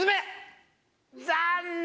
残念！